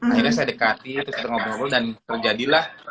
akhirnya saya dekati terus kita ngobrol dan terjadilah